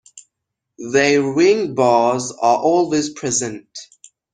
Their wing bars are always present.